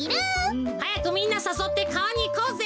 はやくみんなさそってかわにいこうぜ。